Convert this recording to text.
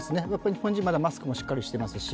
日本人はまだマスクもしっかりしていますし。